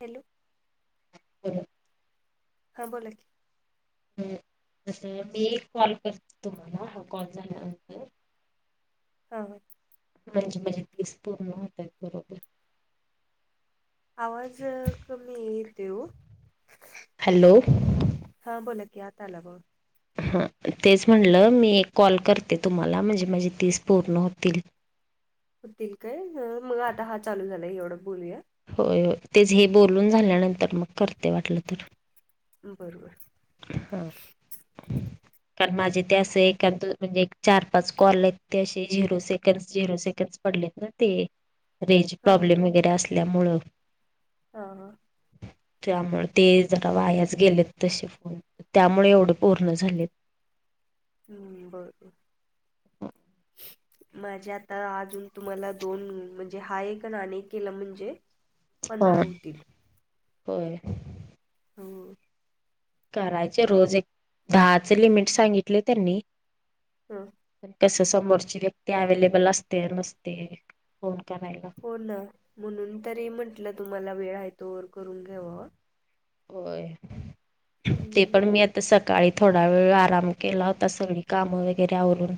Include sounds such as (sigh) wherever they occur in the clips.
Hello. Hello. हा बोला की. ह मी एक कॉल करते तुम्हाला हा कॉल झाल्यानंतर हा. म्हणजे, म्हणजे माझे तीस पूर्ण होतात बरोबर. आवाज कमी येतोय हो. हॅलो. हा बोला की आता आला ब हा तेच म्हणलं मी एक कॉल करते तुम्हाला म्हणजे माझी तीस पूर्ण होतील. होतील काय मग आता हा चालू झालाय एवढं बोलूया. होय हो तेच हे बोलून झाल्यानंतर मग करते वाटलं तर. बरोबर. हा. कारण माझे ते असं ए म्हणजे एक, चार, पाच कॉल आहेत ते असे झिरो सेकंड झिरो सेकंड पडलेत ना ते रेज हां प्रॉब्लेम वगैरे असल्यामुळ. हा ह. त्यामुळे ते जरा वायाच गेलेत तसे. त्यामुळे एवढे पूर्ण झाले. हम्म बरोबर. माझे आता अजून तुम्हाला दोन म्हणजे हा एक आणि एक केला म्हणजे हां, पंधरा होतील. होय. हम्म. करायचे रोज एक दहाचे लिमिट सांगितले त्यांनी. हम्म. पण कस समोरची व्यक्ती अव्लेबल असते नसते फोन करायला. हो ना म्हणून तरी म्हंटलं तुम्हाला वेळ आहे तो वर करून घ्याव. होय ते हं पण मी आता तर सकाळी थोडा वेळ आराम केला होता सगळी कामं वगैरे अवरून.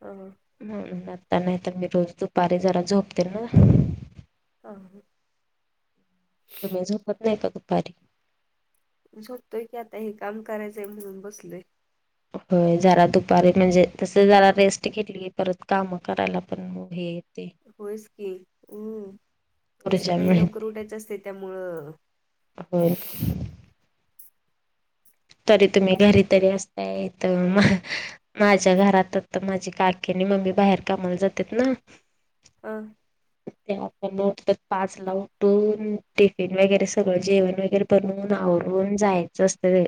ह. ह आता नाही तर मी रोज दुपारी जरा झोपते ना. हा. तुम्ही झोपत नाही का दुपारी. जोपतोय की आता हे काम करायचंय म्हणून बसलो य. होय जरा दुपारी म्हणजे तस जरा रेस्ट घेतली परत काम करायला पण हो हे. होयस की ह ऊर्जा सकाळी लवकर मिळते उठायचं असते त्यामुळं. होय. तरी तुम्ही घरी तरी असतायेत म माझ्या घरात तर माझी काकी आणि मम्मी बाहेर कामाला जातात ना. हं. ते आपणत पाच ला उटून टिफिन वगैरे सगळं जेवण वगैरे. बणून आवरून जायचं असतं ते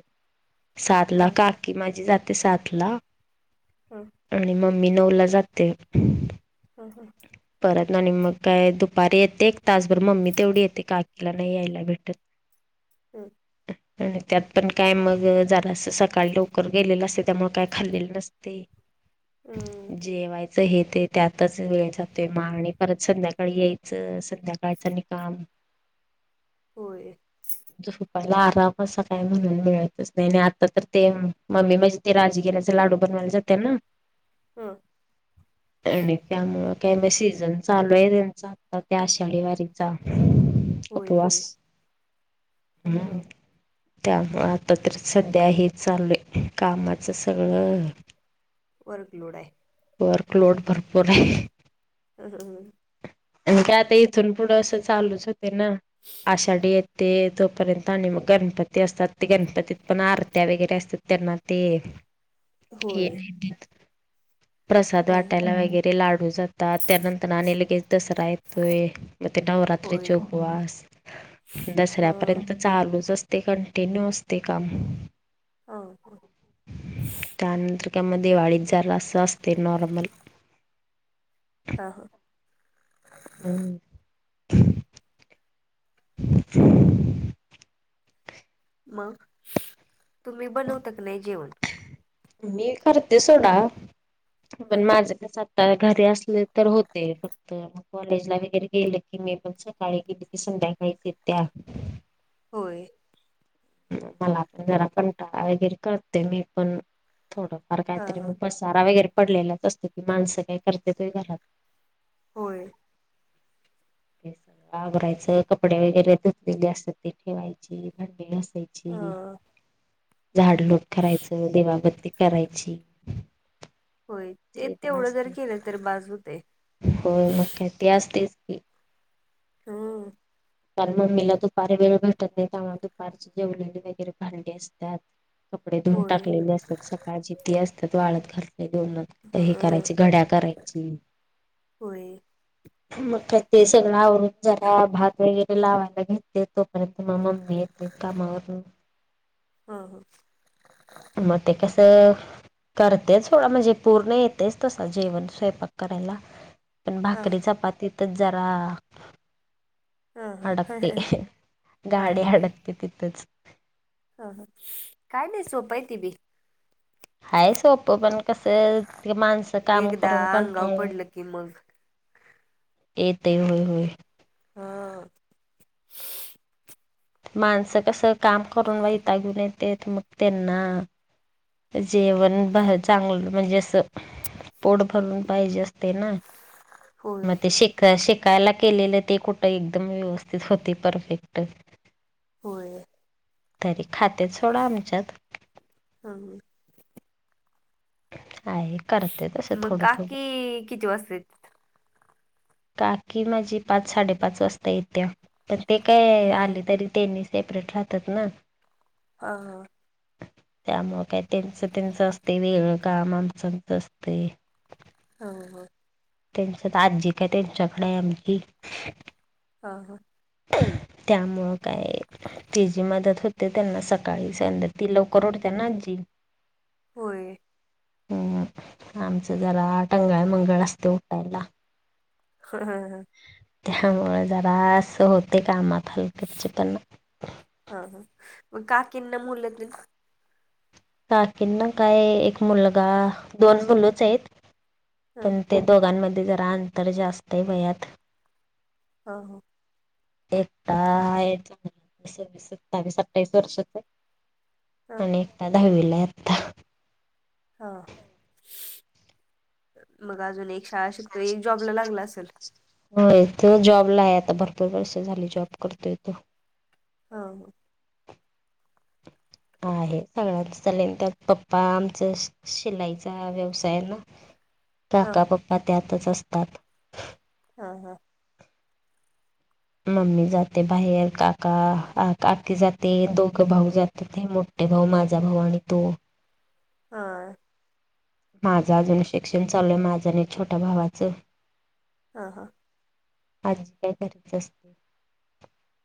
सात ह ला काकी माझी जाते सात ला. हम. आणि मम्मी नऊला जाते. हम हं. परत आणि मग काय दुपारी येते. तासभर मम्मी तेवढी येते काकीला नाही यायला भेटत. ह आणि त्यात पण काय मग जरा सकाळी लवकर गेलेलं असते त्यामुळे काय. खाल्लेल नसतय अ जेवायचं हे ते त्यातच. वेळ जातोय मा आणि परत संध्याकाळी यायचं संध्याकाळचा आनि काम. होय. फुपायला आराम अस काय म्हणून मिळतच नाही आणि आता तर ते मम्मी माजी ते राजगिऱ्याचे लाडू बनवायला जाते ना ह आणि त्यामुळं काय म सीझन चालू आहे त्यांचा. त्या शनिवारीचा होय होय उपवास. ह हम्. त्यामुळ आता तर सध्याही चालू आहे कामाचं सगळं. वर्क लोड आहे. वर्कलोड भरपूर आहे. हा हं ह. आणि का आता इथून पुढं असं चालूच होते ना. आषाढी येते तोपर्यंत आणि मग गणपती असतात ते गणपतीत पण आरत्या वगैरे असतात त्यांना. ते. हा (inaudible) हे नाही प्रसाद ह वाटायला वगैरे. लाडू जातात त्यानंतर आणि लगेच दसरा येतो म ते नवरात्री चे होय उप वास. ह दसऱ्यापर्यंत चालूच असतय कंटिन्यू असतय काम. हां हां. त्यानंतर त्यामध्ये दिवाळीत जरा असंतय नॉर्मल. हां हां. हम्म. मग तुम्ही बनवता का नाही जेवण. मी करते सोडा ह पण माझं कस. घरी असले तर होते फक्त. कॉलेज ला वगैरे गेलं की मी पण सकाळी गेली की संध्याकाळीच येत्या. होय. मला पण जरा कंटाळा वगैरे करते मी पण थोडंफार हा काहीतरी. हा पसारा वगैरे पडलेलाच असतो की माणसं काय करत्यात होय घरात. होय. आवरायचं. कपडे वगैरे धुतलेले असतेत ती ठेवायची. भांडी ह घासायची. ची. झाडलोट करायचं. देवाबती करायची. होय. ते तेवढं जर केलं तर, बास होतंय. हो मग काय. ते असतयच की. हं. कारण, मम्मीला दुपारी वेळ भेटत नाही. त्यामुळे, दुपारची जेवलेली वगैरे भांडी असतात. कपडे धुन होय टाकलेले असतात, सकाळची. ती असतात वाळत घातलेली उनात. ह ते हे करायचे, घड्या करायची. होय. मग काय ते सगळं आवरून जरा, भात वगैरे लावायला घेते तो तो (unintelligible) मम्मी येते, कामावरून. ह, ह. म ते कसं? करतेच थोडा, म्हणजे पूर्ण येतेच तस, जेवण - स्वयंपाक करायला. पण ह भाकरी, चपातीतच जरा ह ह अडकते. ह (unintelligible) हा गाडी लागते अडकते तिथंच. ह, ह. काय नाही, सोपय ती बी. हाय सोपं. पण कसं, माणसं काम एकदा करून अंगावर कंटाळून पडलं (inaudible) येतय. होय, होय. हा. (inaudible) माणसं कसं, काम करून वैतागून येतेत. मग त्यांना जेवण भा चांगलं, म्हणजे असं, पोट भरून पाहिजे असते ना. म होय ते शेक शिकायला केलेलं ते कुठं? एकदम व्यवस्थित होते, परफेक्ट. होय. तरी खातेत सोडा, आमच्यात. ह. (unintelligible) तसं मग थोडं थोडं काकी, किती वाजता येतेत. काकी माझी, पाच -साडेपाच वाजता येत्या. पण ते काय, हा आले तरी. तेनी सेपरेट राहतात ना. हा, हा. त्यामुळ काय त्यांच - त्यांचं असतय, वेगळ काम. आमचं- आमचं असतय. हो, हो. त्यांच्यात. आजी काय त्यांच्याकडेय आमची. हा, हा. त्यामुळं काय, ती जी मदत होते, त्यांना. सकाळी संध ती लवकर उठते ना, आजी. होय. हम्म. आमचं जरा, टंगळा - मंगळ असते उठायला. (unintelligible) त्यामुळे जरा अस होतय, कामात हलगर्जीपणा. हा, हा. मग काकिना मुलं तेन काकिना काय एक मुलगा, दोन मुलचयत. ह पण ते दोघांमध्ये जरा, अंतर जास्तय वयात. हो, हो. एकटा हाय (unintelligible) सववीस, सत्तावीस, अठ्ठावीस वर्षाचाय. ह आणि एकटा धावीलाय आत्ता. ह (unintelligible) मग अजून एक शाळा शिकतो. एक जॉबला लागला असेल. हो इथ जॉबला आहे आता भरपूर वर्ष झाली जॉब करतोय तो हा ह आहे सगळ्यांच झालेन त्यात पप्पा आमचा शिलाईचा व्यवसाय ना (unintelligible) काका पप्पा त्यातच असतात हा हा मम्मी जाते बाहेर काका काकी जाते दोघं भाऊ जातात ते मोठ टे भाऊ माझा भाऊ आणि तो हा माझं अजून शिक्षण चालूय माझं आणि छोट्या भावाचं हा हा अज काय कर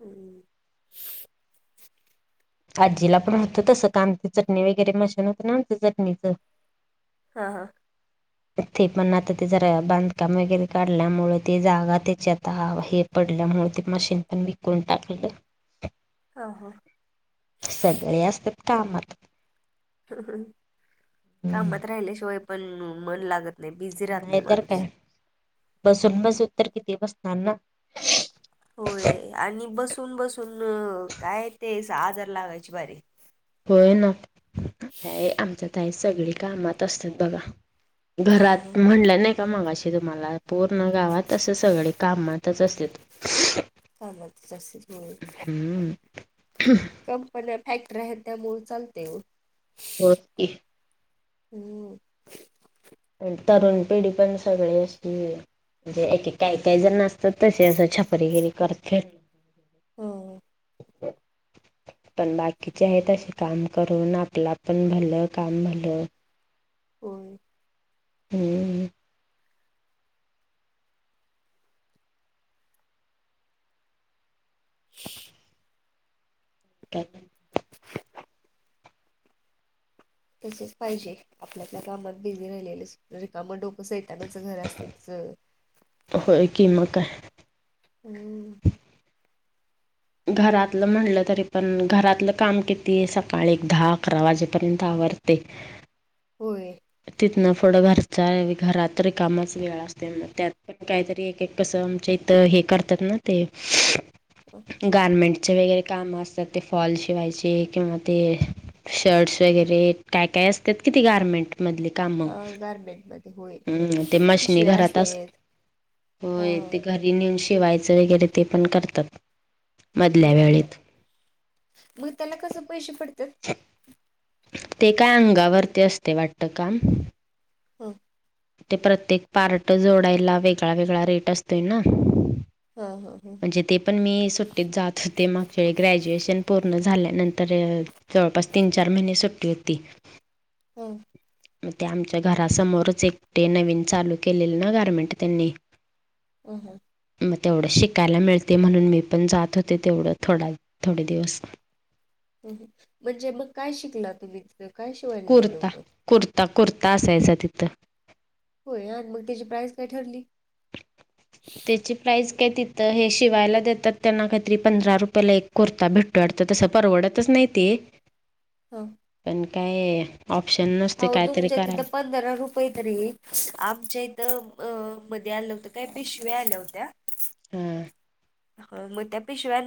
हम् आजीला पण होतं तसं काांती चटणी वगैरे मशन होत ना ते चटणीच हा हा ते पण आता ते जरा बांधकाम वगैरे काढल्यामुळे ते जागा त्याची आता हे पडल्यामुळे ते मशीन पण विकून टाकलं हा हा सगळे असतात कामात कामात राहिल्याशिवाय पण मन लागत नाही बिझी राहत नाही तरर माणूस काय बसून बसू तर किती बसणार ना होय आणि बसून बसून काय ते आजार लागायचे बारी होय न आमच्या तई सगळी कामात असतात बघा हा हा घरात म्हणलं नाही मगाशी तुम्हाला पूर्ण गावात अस सगळे कामातच असते कामातच असेल होय. हम्म कंपन्या फॅक्टरी आहेत त्यामुळे लते हो हम् तरुण पिढी पण सगळी असली म्हणजे एकेक काही काही जण असतात तसे असे छपरीगिरी करत फिर हो ह पण बाकीचे आहेत असे काम करून आपलं पण पण भलं काम भलं हो हम्म ठीक तसेच पाहिजे आपल्या आपल्या कामात बिझी राहिलेले काम डोकं सैतानाचं घर असते तसं होय कि म काय हम्म घरातलं म्हणलं तरी पण घरातलं काम किती आहे सकाळी एक दहा अकरा वाजेपर्यंत आवर ते होय तीतन पुढं घरचा घरात रिकामाच वेळ असते म त्यात पण काहीतरी एक एक कसं आमच्या इथं हे करतात ना ते गारमेंटचे वगैरे काम असतात ते फॉल शिवायचे किंवा ते शर्ट्स वगैरे काय काय असतात कि ते गारमेंट मधले काम हा हम गारमेंट मध्ये होय ते मशनी पिशव्या घरात अस असतेत हा होय ते घरी नेऊन शिवायचं वगैरे ते पण करतात ह मधल्या वेळेत मग त्याला कस पैसे पडतात ते काय अंगावरती असते वाटत काम हा ते प्रत्येक पार्ट जोडायला वेगळा वेगळा रेट असतोय ना हा हा हा जे ते पण मी सुट्टीत जात होते मागच्या ग्रॅज्युएशन पूर्ण झाल्यानंतर जवळपास तीन चार महिने सुट्टी होती हम् मग ते आमच्या घरासमोरच एकटे नवीन चालू केले ना गारमेंट त्यांनी हो ह मग तेवढं शिकायला मिळते म्हणून मी पण जात होते तेवढं थोडा थोडे दिवस म्हणजे मग काय शिकला तुम्ही काय शिवाय दिलं कुर्ता होतं कुर्ता कुर्ता असायचा तिथं होय आणि मग त्याची प्राईस काय ठरली त्याची प्राईज काय तिथं हे शिवायला देतात त्यांना काहीतरी पंधरा रुपयेला एक कुर्ता भेटतु वाटतं तसं परवडतच नाही ते हा पण काय ऑप्शन नसते आहो कायतरी तुमच्या तिथं प करायला पंधरा रुपये तरी आमच्या इथं मध्ये आलं होतं काय पिशव्या आल्या होत्या ह ह म त्या पिशव्या